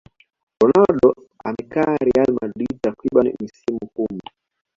ronaldo amekaa real madrid takriban misimu kumi